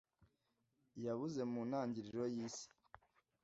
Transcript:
yabuze mu ntangiriro yisi,